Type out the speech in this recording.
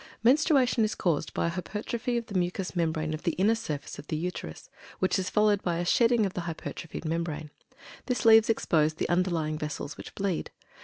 Menstruation is caused by a hypertrophy of the mucus membrane of inner surface of the Uterus, which is followed by a shedding of the hypertrophied membrane. This leaves exposed the underlying vessels, which bleed.